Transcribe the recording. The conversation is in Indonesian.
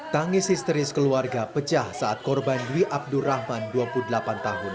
tangis histeris keluarga pecah saat korban dwi abdurrahman dua puluh delapan tahun